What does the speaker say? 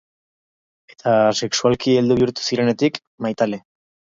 Eta sexualki heldu bihurtu zirenetik, maitale.